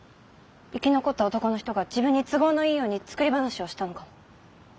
生き残った男の人が自分に都合のいいように作り話をしたのかも。